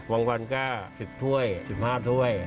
วันก็๑๐ถ้วย๑๕ถ้วย